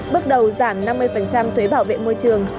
bước đầu giảm năm mươi thuế bảo vệ môi trường